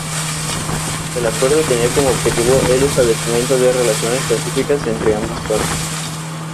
El acuerdo tenía como objetivo el establecimiento de relaciones pacíficas entre ambas partes.